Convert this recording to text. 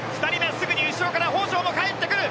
すぐに後ろから北條も帰ってくる。